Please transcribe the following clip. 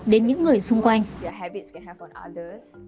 đến những người xung quanh